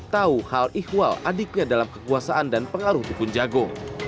tahu hal ihwal adiknya dalam kekuasaan dan pengaruh dukun jago